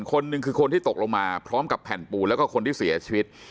คนหนึ่งคือคนที่ตกลงมาพร้อมกับแผ่นปูนแล้วก็คนที่เสียชีวิต